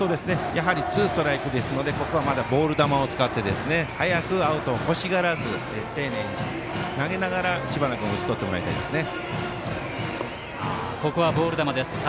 ツーストライクですのでボール球を使って早くアウトをほしがらず丁寧に投げながら知花君を打ち取ってもらいたいですね。